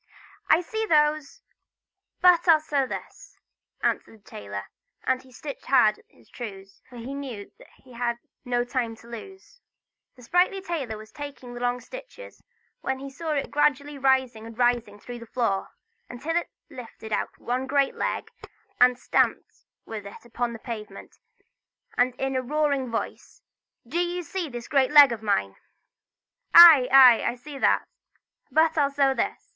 "I see those, but I'll sew this!" answered the tailor; and he stitched hard at his trews, for he knew that he had no time to lose. The sprightly tailor was taking the long stitches, when he saw it gradually rising and rising through the floor, until it lifted out a great leg, and stamping with it upon the pavement, said in a roaring voice: "Do you see this great leg of mine?" "Aye, aye: I see that, but I'll sew this!"